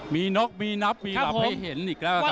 มีน็อกมีนับมีหลับให้เห็นอีกแล้วครับครับ